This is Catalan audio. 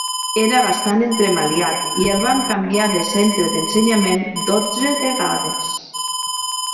Era bastant entremaliat, i el van canviar de centre d'ensenyament dotze vegades.